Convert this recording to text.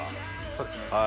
そうですね。